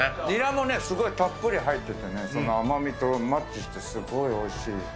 ニラもね、すごいたっぷり入ってて、甘みとマッチしてすごいおいしい。